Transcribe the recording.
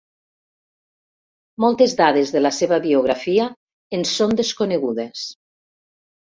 Moltes dades de la seva biografia ens són desconegudes.